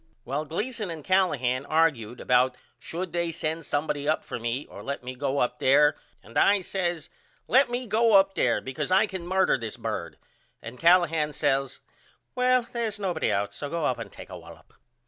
Well Gleason and Callahan argude about should they send somebody up for me or let me go up there and I says Let me go up there because I can murder this bird and Callahan says Well they is nobody out so go up and take a wallop.